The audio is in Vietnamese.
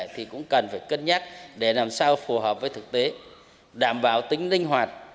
thì cũng cần phải cân nhắc để làm sao phù hợp với thực tế đảm bảo tính linh hoạt